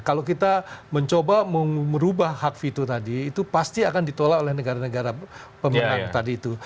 kalau kita mencoba merubah hak fitur tadi itu pasti akan ditolak oleh negara negara pemenang tadi itu